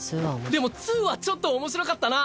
でも「２」はちょっと面白かったな。